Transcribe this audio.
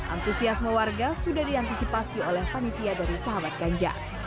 antusiasme warga sudah diantisipasi oleh panitia dari sahabat ganjar